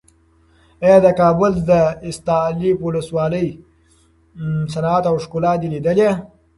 ایا د کابل د استالف ولسوالۍ د کلالۍ صنعت او ښکلا دې لیدلې؟